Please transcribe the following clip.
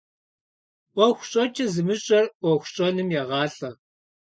Iуэху щIэкIэ зымыщIэр Iуэху щIэным егъалIэ.